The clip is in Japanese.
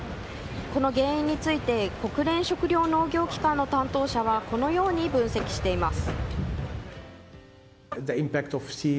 この原因について国連食糧農業機関の担当者はこのように分析しています。